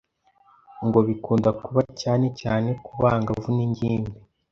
ngo bikunda kuba cyane cyane ku bangavu n’ingimbi